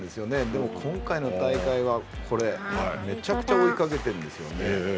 でも、今回の大会はこれ、めちゃくちゃ追いかけてるんですよね。